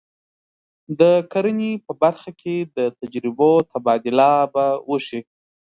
د کرنې په برخه کې د تجربو تبادله به وشي.